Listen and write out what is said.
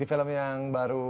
di film yang baru